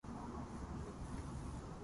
笑顔が本当に大好きでした